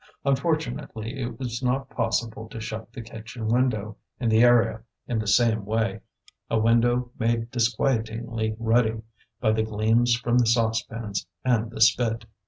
Unfortunately, it was not possible to shut the kitchen window in the area in the same way, a window made disquietingly ruddy by the gleams from the saucepans and the spit.